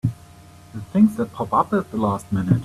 The things that pop up at the last minute!